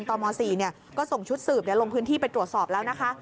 ต้นมอสี่เนี้ยก็ส่งชุดสืบเนี้ยลงพื้นที่ไปตรวจสอบแล้วนะคะ